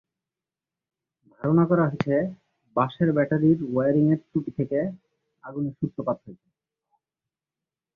ধারণা করা হচ্ছে, বাসের ব্যাটারির ওয়্যারিংয়ের ত্রুটি থেকে আগুনের সূত্রপাত হয়েছে।